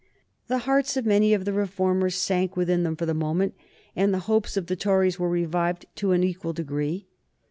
The hearts of many of the reformers sank within them for the moment, and the hopes of the Tories were revived in an equal degree.